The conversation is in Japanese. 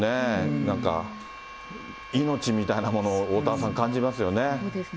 なんか、命みたいなものをおおたわさん、感じますよね。